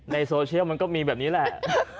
ในโซเชียลมันก็มีแบบนี้แหละ